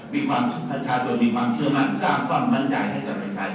มีความชัดภัทรชนมีความเชื่อมั่นเช้าบ้างบันใจให้รัฐชายตัว